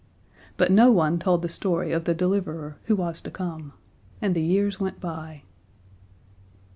But no one told the story of the deliverer who was to come. And the years went by.